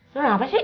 lu kenapa sih